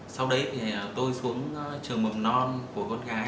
sau đấy thì tôi xuống trường mầm non của con gái